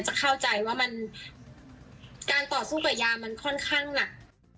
จะเข้าใจว่ามันการต่อสู้กับยามันค่อนข้างหนัก